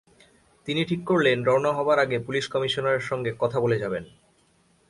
তিনি ঠিক করলেন, রওনা হবার আগে পুলিশ কমিশনারের সঙ্গে কথা বলে যাবেন।